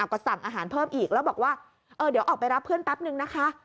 ก็สั่งอาหารเพิ่มอีกแล้วบอกว่าเออเดี๋ยวออกไปรับเพื่อนแป๊บนึงนะคะ